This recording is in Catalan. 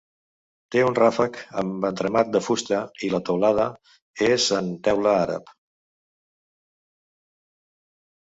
Té un ràfec amb entramat de fusta i la teulada és en teula àrab.